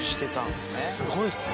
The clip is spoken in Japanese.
すごいですね。